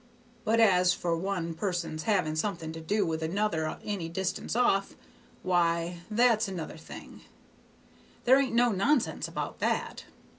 But as for one person's having something to do with another any distance off, why, that's another thing; there ain't any nonsense about that.